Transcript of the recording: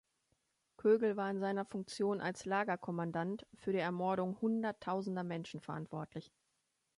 Koegel war in seiner Funktion als Lagerkommandant für die Ermordung hunderttausender Menschen verantwortlich.